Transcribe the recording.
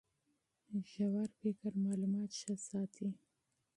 ژور فکر معلومات ښه ساتي.